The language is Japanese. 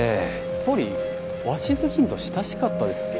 総理鷲津議員と親しかったですっけ？